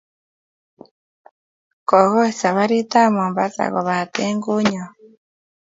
Kokoi saparit ap Mombasa kopate konyal.